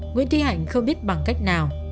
nguyễn thúy hạnh không biết bằng cách nào